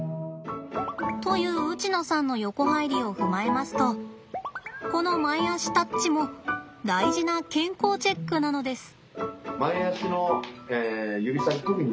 というウチノさんの横入りを踏まえますとこの前足タッチも大事な健康チェックなのです。